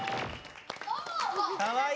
かわいい。